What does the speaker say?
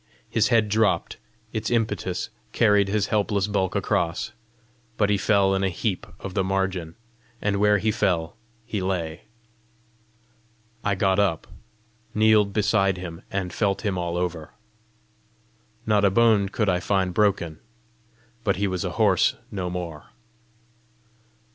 His head dropped; its impetus carried his helpless bulk across, but he fell in a heap on the margin, and where he fell he lay. I got up, kneeled beside him, and felt him all over. Not a bone could I find broken, but he was a horse no more.